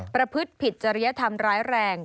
ประพฤติผิดจริยธรรมร้ายแรง